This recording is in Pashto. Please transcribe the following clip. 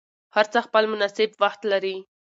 هر څه خپل مناسب وخت لري